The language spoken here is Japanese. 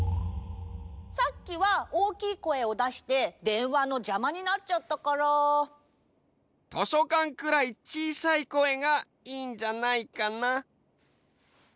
さっきは大きい声をだしてでんわのじゃまになっちゃったから。としょかんくらいちいさい声がいいんじゃないかな。